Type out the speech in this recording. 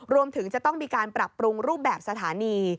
รวมถึงจะต้องมีการปรับปรุงรูปแบบสถานี